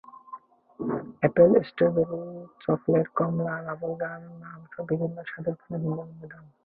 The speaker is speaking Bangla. আপেল, স্ট্রবেরি, চকোলেট, কমলা, বাবলগাম, আমসহ বিভিন্ন স্বাদের জন্য ভিন্ন ভিন্ন দাম।